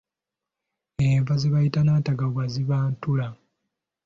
Enva ze bayita nantagabwa ziba ntula.